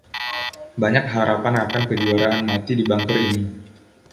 Banyak harapan akan kejuaraan mati di bunker ini.